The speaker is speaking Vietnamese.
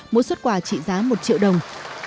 mỗi xuất quà trị giá một triệu đồng